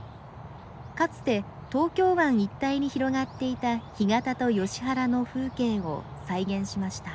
かつて東京湾一帯に広がっていた干潟とヨシ原の風景を再現しました。